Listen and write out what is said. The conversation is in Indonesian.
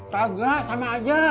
kagak sama aja